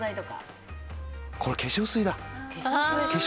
これ、化粧水だ。